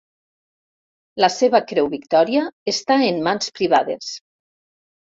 La seva Creu Victòria està en mans privades.